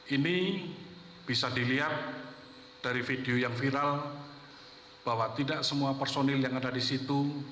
ini bisa dilihat dari video yang viral bahwa tidak semua personil yang ada di situ